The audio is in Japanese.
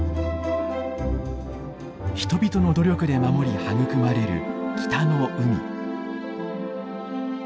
人々の努力で守り育まれる北の海。